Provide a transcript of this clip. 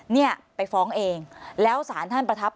เนี่ยไปฟ้องเองแล้วสารท่านประทับ